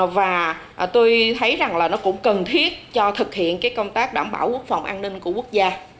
và tôi thấy rằng là nó cũng cần thiết cho thực hiện cái công tác đảm bảo quốc phòng an ninh của quốc gia